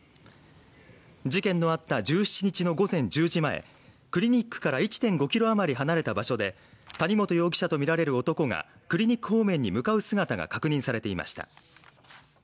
事件のあった１７日の午前１０時前クリニックから１．５キロ余り離れた場所で谷本容疑者とみられる男がクリニック方面に向かう姿が確認されていました